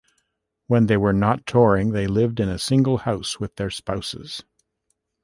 When they were not touring, they lived in a single house with their spouses.